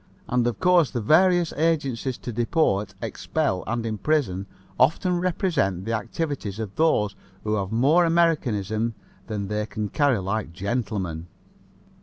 And, of course, the various agencies to deport, expel and imprison often represent the activities of those who have more Americanism than they can carry like gentlemen.